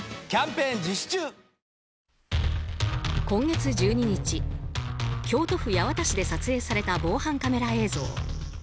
今月１２日、京都府八幡市で撮影された防犯カメラ映像。